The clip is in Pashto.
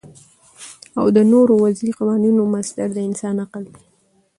او د نورو وضعی قوانینو مصدر د انسان عقل دی